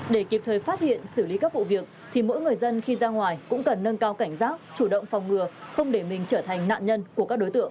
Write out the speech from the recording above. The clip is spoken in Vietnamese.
để kịp thời phát hiện xử lý các vụ việc thì mỗi người dân khi ra ngoài cũng cần nâng cao cảnh giác chủ động phòng ngừa không để mình trở thành nạn nhân của các đối tượng